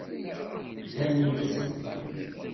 D ayen i nettidir.